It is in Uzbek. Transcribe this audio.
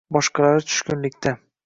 boshqalari tushkunlikda: